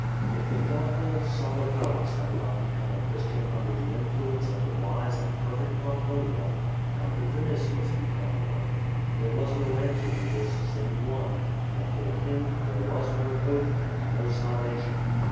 If the thoughtful, solid Aulus had not become a Christian under the influence of the wise and perfect Pomponia, how could Vinitius become one? There was no answer to this, save one — that for him there was no hope and no salvation.